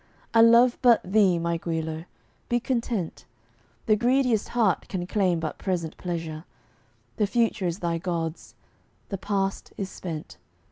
I love but thee, my Guilo! be content; The greediest heart can claim but present pleasure. The future is thy God's. The past is spent.